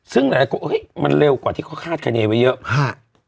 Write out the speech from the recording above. ซึ่งมันเร็วกว่าที่เขาคาดคาเนยไว้เยอะ